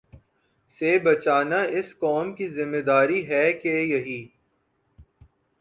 سے بچانا اس قوم کی ذمہ داری ہے کہ یہی